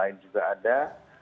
lain juga ada